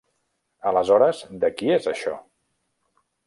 Aleshores, de qui és això?